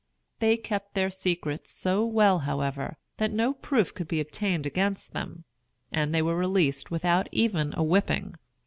They kept their secrets so well, however, that no proof could be obtained against them, and they were released without even a whipping.